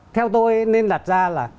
theo tôi nên đặt ra là